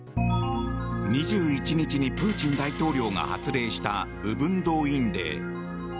２１日にプーチン大統領が発令した部分動員令。